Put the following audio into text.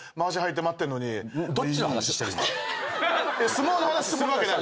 相撲の話するわけない。